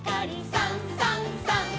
「さんさんさん」